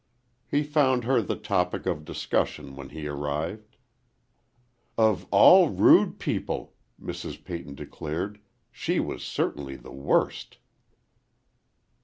He found her the topic of discussion when he arrived. "Of all rude people," Mrs. Peyton declared, "she was certainly the worst!"